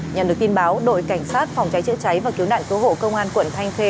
nhận được tin báo đội cảnh sát phòng cháy chữa cháy và cứu nạn cứu hộ công an quận thanh khê